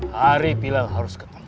hari pilal harus ketemu